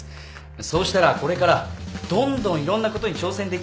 そうしたらこれからどんどんいろんなことに挑戦できるじゃないですか。